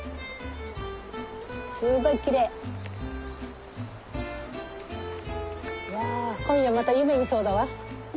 すごいきれい。わ今夜また夢見そうだわ。